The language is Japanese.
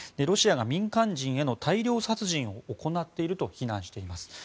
ロシアが民間人への大量殺人を行っていると非難しています。